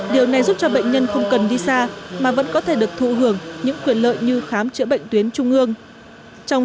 điều này giúp cho bệnh nhân không cần đi xa mà vẫn có thể được thụ hưởng những quyền lợi như khám chữa bệnh tuyến trung ương